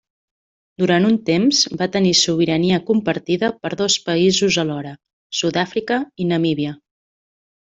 Durant un temps va tenir sobirania compartida per dos països alhora; Sud-àfrica i Namíbia.